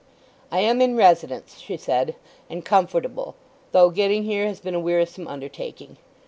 "I am in residence," she said, "and comfortable, though getting here has been a wearisome undertaking.